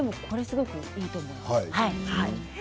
これはすごくいいと思います。